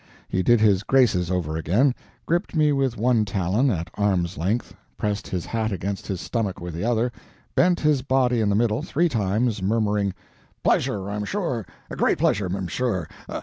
He did his graces over again: gripped me with one talon, at arm's length, pressed his hat against his stomach with the other, bent his body in the middle three times, murmuring: "Pleasure, 'm sure; great pleasure, 'm sure.